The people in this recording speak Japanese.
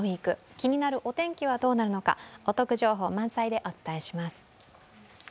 気になるお天気はどうなるのかお得情報満載でお伝えします。